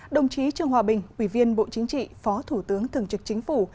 đồng chí trương hòa bình ủy viên bộ chính trị phó thủ tướng thường trực chính phủ